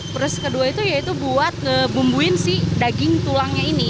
terus kedua itu yaitu buat ngebumbuin si daging tulangnya ini